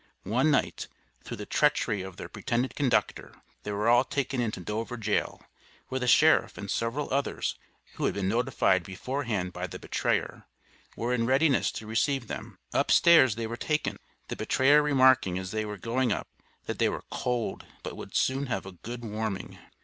One night, through the treachery of their pretended conductor, they were all taken into Dover Jail, where the Sheriff and several others, who had been notified beforehand by the betrayer, were in readiness to receive them. Up stairs they were taken, the betrayer remarking as they were going up, that they were "cold, but would soon have a good warming."